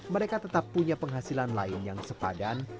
mereka tetap punya penghasilan lain yang sepadan